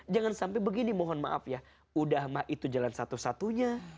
jangan sampai begini mohon maaf ya udah mah itu jalan satu satunya